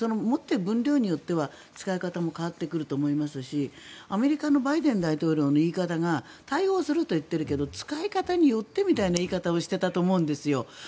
持っている分量によっては使い方も変わってくると思いますしアメリカのバイデン大統領の言い方が対応するといっているけど使い方によってみたいな言い方をしていたと思うんですよ。